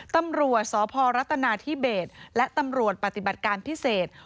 ตำรวจสพรัฐนาธิเบสและตำรวจปฏิบัติการพิเศษ